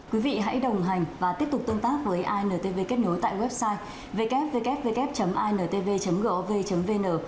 quý vị hãy đồng hành và tiếp tục tương tác với intv kết nối tại website www intv gov vn